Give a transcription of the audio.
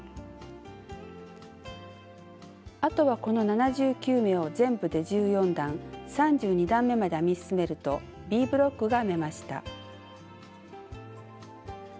あとはこの７９目を全部で１４段３２段めまで編み進めるとＢブロックが編めました。